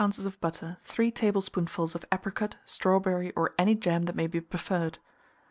of butter, 3 tablespoonfuls of apricot, strawberry, or any jam that may be preferred.